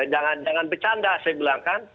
jangan jangan bercanda saya bilang kan